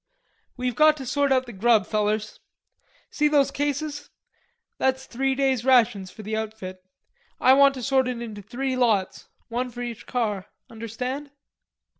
"We've got to sort out the grub, fellers. See those cases? That's three days' rations for the outfit. I want to sort it into three lots, one for each car. Understand?"